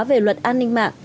về luật an ninh mạng